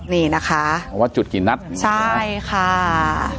นี่นะคะใช่ค่ะ